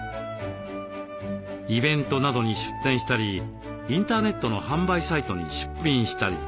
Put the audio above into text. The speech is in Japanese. イベントなどに出展したりインターネットの販売サイトに出品したり。